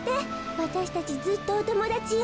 わたしたちずっとおともだちよ。